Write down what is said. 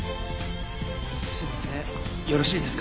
すいませんよろしいですか？